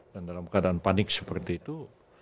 dan dalam keadaan panik seperti itu